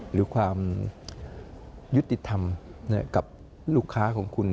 หรือความยุติธรรมกับลูกค้าของคุณ